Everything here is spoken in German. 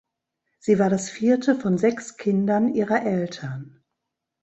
Sie war das vierte von sechs Kindern ihrer Eltern.